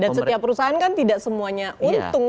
dan setiap perusahaan kan tidak semuanya untung